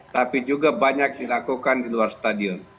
tapi juga banyak dilakukan di luar stadion